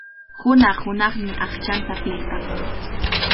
Hunaq-hunaqmi aqchanta piltakun.